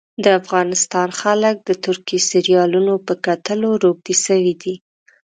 د افغانستان خلک د ترکي سیریالونو په کتلو روږدي سوي دي